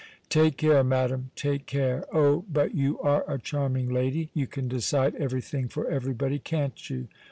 Take care, madam, take care. Oh, but you are a charming lady; you can decide everything for everybody, can't you!